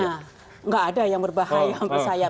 tidak ada yang berbahaya untuk saya